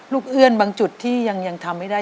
เอื้อนบางจุดที่ยังทำไม่ได้